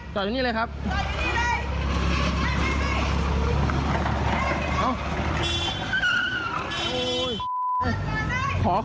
จอดก่อนครับอย่าขยับครับ